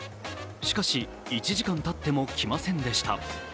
しかし、１時間たっても来ませんでした。